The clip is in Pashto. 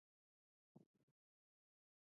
ملتونو جوړول پخوا ګناه وه.